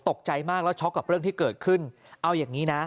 ตกใจมากแล้วช็อกกับเรื่องที่เกิดขึ้น